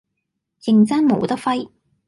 認真冇得揮